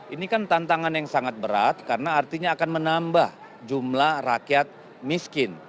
ini kan tantangan yang sangat berat karena artinya akan menambah jumlah rakyat miskin